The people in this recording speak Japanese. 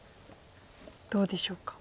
どうでしょうか。